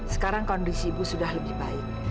sekarang kondisi ibu sudah lebih baik